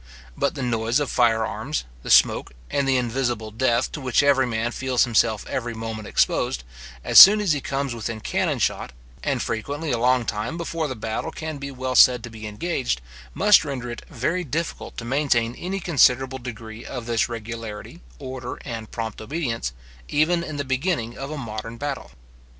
But the noise of fire arms, the smoke, and the invisible death to which every man feels himself every moment exposed, as soon as he comes within cannon shot, and frequently a long time before the battle can be well said to be engaged, must render it very difficult to maintain any considerable degree of this regularity, order, and prompt obedience, even in the beginning of a modern battle.